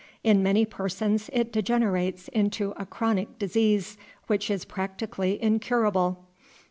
In many persons it degenerates into a chronic disease, which is practically incurable.